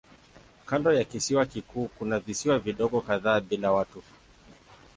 Kando ya kisiwa kikuu kuna visiwa vidogo kadhaa bila watu.